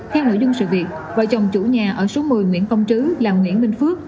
theo nội dung sự việc vợ chồng chủ nhà ở số một mươi nguyễn công trứ là nguyễn minh phước